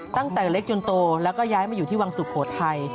ตั้งแต่เล็กจนโตแล้วก็ย้ายมาอยู่ที่วังสุโขทัย